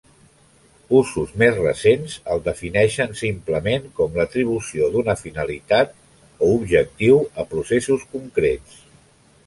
Usos més recents el defineixen simplement com l'atribució d'una finalitat o objectiu a processos concrets.